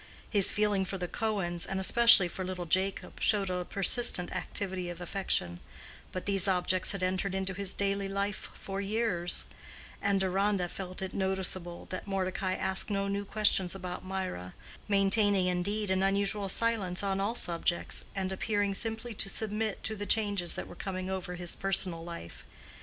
His feeling for the Cohens, and especially for little Jacob, showed a persistent activity of affection; but these objects had entered into his daily life for years; and Deronda felt it noticeable that Mordecai asked no new questions about Mirah, maintaining, indeed, an unusual silence on all subjects, and appearing simply to submit to the changes that were coming over his personal life.